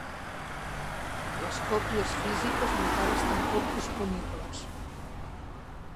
Les còpies físiques encara estan poc disponibles.